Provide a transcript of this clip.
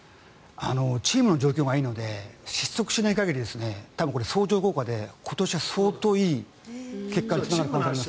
チームの状況がいいので失速しない限り多分、相乗効果で今年はすごいいい結果につながると思います。